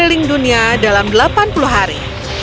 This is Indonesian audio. keliling dunia dalam delapan puluh hari